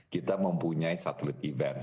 kita mempunyai satelit event